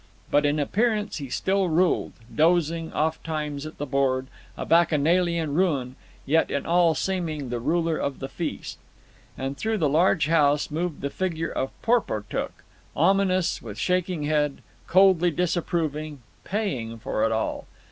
But in appearance he still ruled, dozing, ofttimes at the board, a bacchanalian ruin, yet in all seeming the ruler of the feast. And through the large house moved the figure of Porportuk, ominous, with shaking head, coldly disapproving, paying for it all.